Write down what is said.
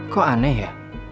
kok aneh ya